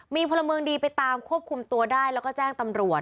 มีพลเมืองดีไปตามควบคุมตัวได้แล้วก็แจ้งตำรวจ